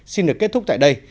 xin được kết thúc tại đây